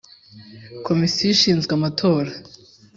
Komisiyo ishinzwe amatora